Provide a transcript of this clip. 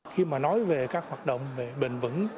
khi mà nói về các hoạt động bình vững